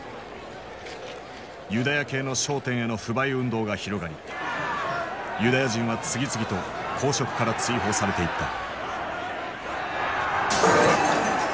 ユダヤ系の商店への不買運動が広がりユダヤ人は次々と公職から追放されていった。